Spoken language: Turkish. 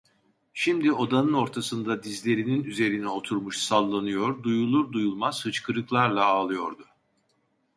Şimdi odanın ortasında dizlerinin üzerine oturmuş sallanıyor, duyulur duyulmaz hıçkırıklarla ağlıyordu.